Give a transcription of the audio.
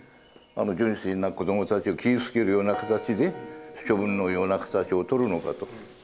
純粋な子供たちを傷つけるような形で処分のような形をとるのかと。